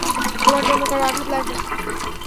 তোমার জন্য কারো আঘাত লাগবে।